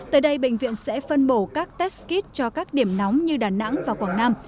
tới đây bệnh viện sẽ phân bổ các test kit cho các điểm nóng như đà nẵng và quảng nam